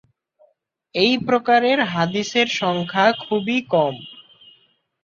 এই প্রকারের হাদীসের সংখ্যা খুবই কম।